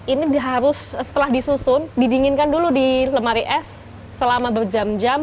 ini harus setelah disusun didinginkan dulu di lemari es selama berjam jam